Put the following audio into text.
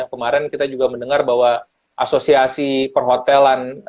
kemarin kita juga mendengar bahwa asosiasi perhotelan